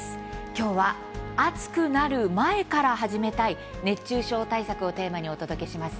きょうは「暑くなる前からはじめたい熱中症対策」をテーマにお届けします。